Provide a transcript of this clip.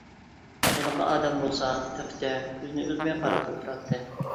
ھېلىقى ئادەم بولسا تېخىچە كۈزىنى ئۈزمەي قاراپ ئولتۇراتتى.